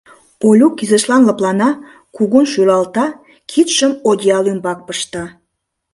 Олюк изишлан лыплана, кугун шӱлалта, кидшым одеял ӱмбак пышта.